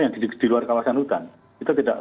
yang di luar kawasan hutan itu tidak